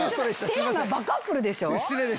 テーマ「バカップル」でしょ？